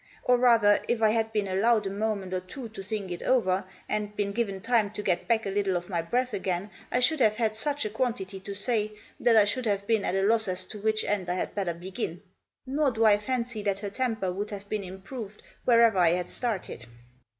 Or, rather, if I had been allowed a moment or two to think it over, and been given time to get back a little of my breath again, I should have had such a quantity to say that I should have been at a loss as to which end I had better begin. Nor do I fancy that her temper would have been improved wherever I had started.